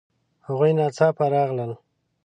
هغوی ناڅاپه راغلل